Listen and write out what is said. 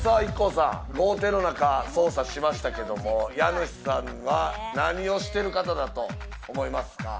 さん、豪邸の中捜査しましたけど、家主さんは何をしてる方だと思いますか？